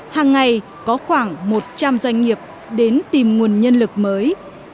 hàng ngày có khoảng một trăm linh doanh nghiệp đến tìm nguồn nhân lực mới